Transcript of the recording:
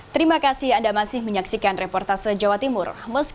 terima kasih anda masih menyaksikan reportase jawa timur